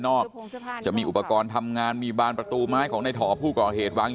อกจะมีอุปกรณ์ทำงานมีบานประตูไม้ของในถอผู้ก่อเหตุวาง